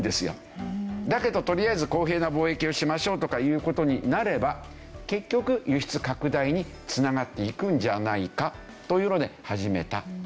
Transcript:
だけどとりあえず公平な貿易をしましょうとかいう事になれば結局輸出拡大に繋がっていくんじゃないかというので始めた。